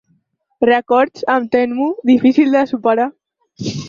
Rècords, em temo, difícils de superar.